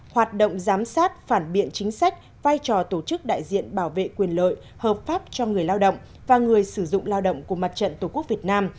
hoạt động giám sát phản biện chính sách vai trò tổ chức đại diện bảo vệ quyền lợi hợp pháp cho người lao động và người sử dụng lao động của mặt trận tổ quốc việt nam